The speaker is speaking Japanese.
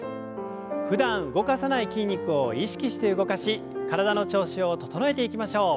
ふだん動かさない筋肉を意識して動かし体の調子を整えていきましょう。